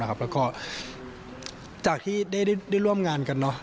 แล้วก็จากที่ได้ร่วมงานกัน